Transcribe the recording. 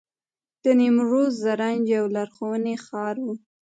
د نیمروز زرنج یو لرغونی ښار و